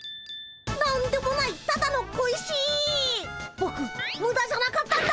ボクムダじゃなかったんだ！